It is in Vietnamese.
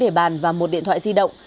để bàn và một điện thoại di động